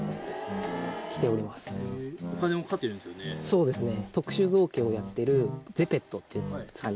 そうですね。